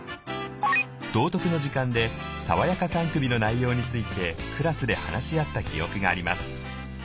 「道徳の時間で『さわやか３組』の内容についてクラスで話し合った記憶があります」。